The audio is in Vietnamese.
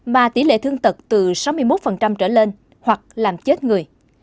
mà tỷ lệ thương tật từ sáu mươi một trở lên hoặc làm chết người